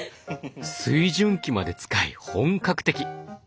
水準器まで使い本格的！